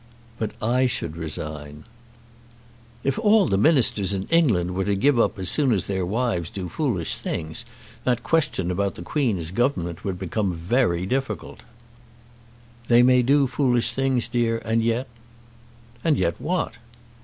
"But I should resign." "If all the Ministers in England were to give up as soon as their wives do foolish things, that question about the Queen's Government would become very difficult." "They may do foolish things, dear; and yet " "And yet what?"